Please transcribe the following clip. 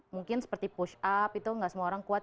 mungkin seperti push up itu nggak semua orang kuat